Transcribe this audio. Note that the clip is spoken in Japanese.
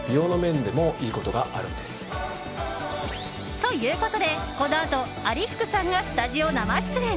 ということで、このあと有福さんがスタジオ生出演。